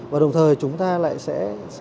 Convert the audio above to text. và đồng thời chúng ta lại sẽ